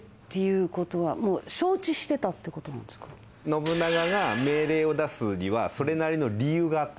信長が命令を出すにはそれなりの理由があった。